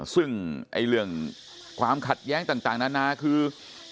ซึ่งเรื่องความขัดแย้งต่างนานาคือ